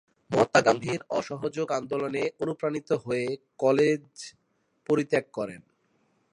মহাত্মা গান্ধীর অসহযোগ আন্দোলনে অনুপ্রাণিত হয়ে কলেজ পরিত্যাগ করেন।